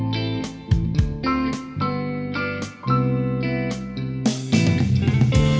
tadi aku lihat